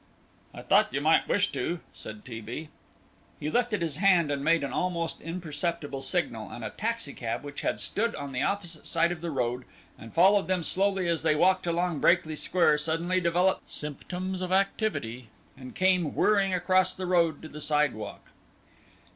"I thought you might wish to," said T. B. He lifted his hand and made an almost imperceptible signal, and a taxicab which had stood on the opposite side of the road, and followed them slowly as they walked along Brakely Square, suddenly developed symptoms of activity, and came whirring across the road to the sidewalk.